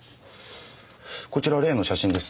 こちらは例の写真です。